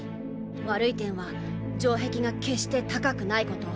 悪い点は城壁が決して高くないこと。